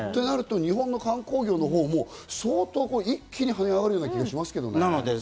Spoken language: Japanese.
日本の観光業のほうも相当、一気にはね上がるような気がしますけどね。